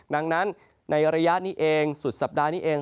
ดังนั้นในระยะนี้เองสุดสัปดาห์นี้เอง